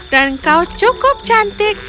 dan kau cukup cantik